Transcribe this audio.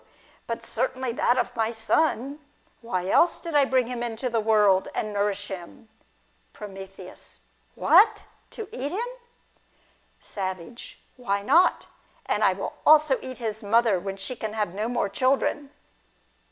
But certainly that of my son. Why else did I bring him into the world, and nourish him ? From. What ! To eat him ? Savage. Why not ? and I will also eat his mother when she can have no more children.